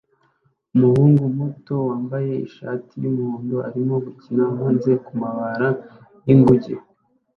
Umuhungu muto wambaye ishati yumuhondo arimo gukina hanze kumabari y'inguge